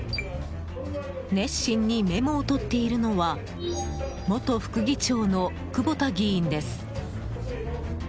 熱心にメモをとっているのは元副議長の久保田議員です。